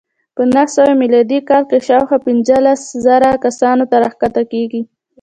په نهه سوه میلادي کال کې شاوخوا پنځلس زره کسانو ته راښکته کېږي.